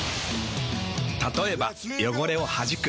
たとえば汚れをはじく。